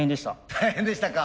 大変でしたか。